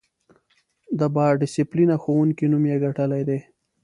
د با ډسیپلینه ښوونکی نوم یې ګټلی دی.